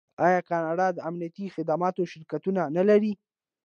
آیا کاناډا د امنیتي خدماتو شرکتونه نلري؟